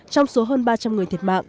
trong số hơn ba trăm linh người thiệt mạng